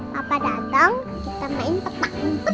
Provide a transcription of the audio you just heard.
papa dateng kita main pepak